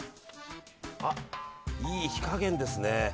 あ、いい火加減ですね。